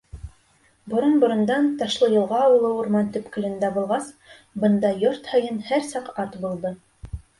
Борон-борондан, Ташлыйылға ауылы урман төпкөлөндә булғас, бында йорт һайын һәр саҡ ат булды.